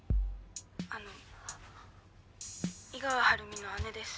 あの井川晴美の姉です。